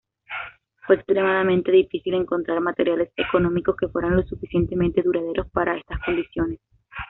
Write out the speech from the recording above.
Fue extremadamente difícil encontrar materiales económicos que fueran lo suficientemente duraderos para estas condiciones.